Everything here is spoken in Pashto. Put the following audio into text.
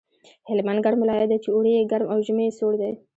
هلمند ګرم ولایت دی چې اوړی یې ګرم او ژمی یې سوړ دی